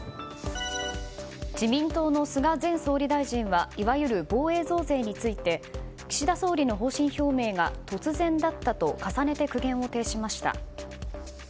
自民党の菅前総理大臣はいわゆる防衛増税について岸田総理の方針表明が突然だったと重ねて苦言を呈しました。